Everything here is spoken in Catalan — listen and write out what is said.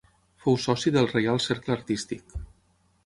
Fou soci del Reial Cercle Artístic.